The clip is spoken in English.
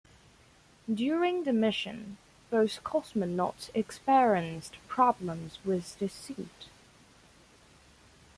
During the mission both cosmonauts experienced problems with the suit.